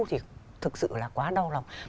thì thật sự là quá đau lòng